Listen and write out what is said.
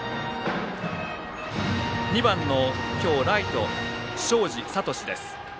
２番の今日、ライト東海林智です。